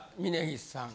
峯岸さん！